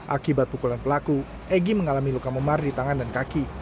akibat pukulan pelaku egy mengalami luka memar di tangan dan kaki